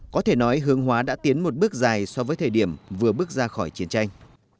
có thể nói hướng hóa đã tiến một bước dài so với thời điểm vừa bước ra khỏi chiến tranh